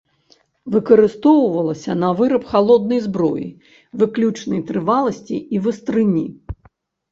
Выкарыстоўвалася на выраб халоднай зброі выключнай трываласці і вастрыні.